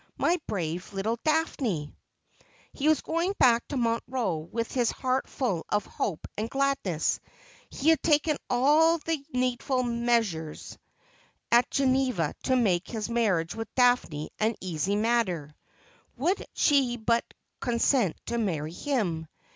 ' My brave little Daphne !' He was going back to Montreux with his heart full of hope and gladness. He had taken all the needful measures at Geneva to make his marriage with Daphne an easy matter, would she but consent to marry him.